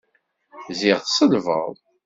Ziɣ tselbed!